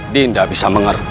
dinda bisa mengerti